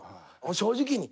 正直に。